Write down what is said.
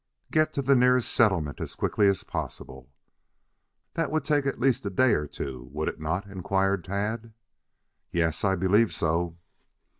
"Get to the nearest settlement as quickly as possible." "That would take at least a day or two, would it not?" inquired Tad. "Yes, I believe so."